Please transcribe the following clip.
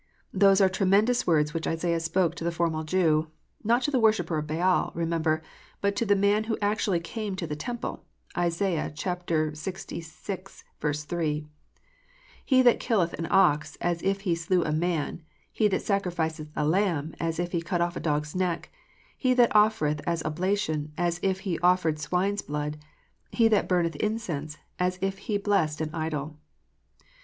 Those are tremendous words which Isaiah spoke to the formal Jew, not to the worshipper of Baal, remember, but to the man who actually came to the temple (Isa. Ixvi. 3) :" He that killeth an ox is as if he slew a man ; he that sacrificeth a lamb, as if he cut off a dog s neck ; he that offereth an oblation, as if he offered swine s blood; he that burneth incense, as if he blessed an idol."